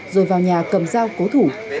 rồi vào nhà cầm dao cố thủ